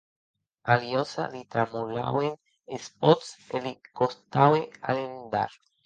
A Aliosha li tremolauen es pòts e li costaue alendar.